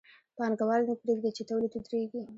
پانګوال نه پرېږدي چې تولید ودرېږي